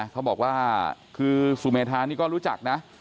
เขาบอกว่าคือสุเมธานี่ก็รู้จักนะ